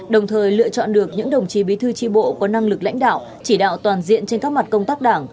đồng thời lựa chọn được những đồng chí bí thư tri bộ có năng lực lãnh đạo chỉ đạo toàn diện trên các mặt công tác đảng